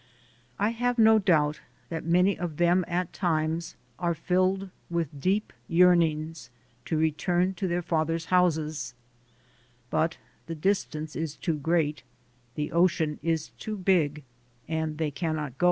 I have no doubt that many of them at times are filled with deep yearnings to return to their fathers' houses, but the distance is too great, the ocean is too big, and they cannot go.